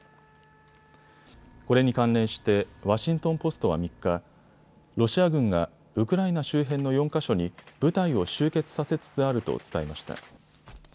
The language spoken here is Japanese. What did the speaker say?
これに関連してワシントン・ポストは３日、ロシア軍がウクライナ周辺の４か所に部隊を集結させつつあると伝えました。